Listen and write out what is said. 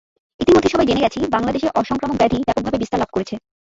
ইতিমধ্যে সবাই জেনে গেছি, বাংলাদেশে অসংক্রামক ব্যাধি ব্যাপকভাবে বিস্তার লাভ করেছে।